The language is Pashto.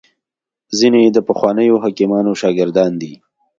ځیني د پخوانیو حکیمانو شاګردان دي